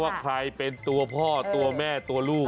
ว่าใครเป็นตัวพ่อตัวแม่ตัวลูก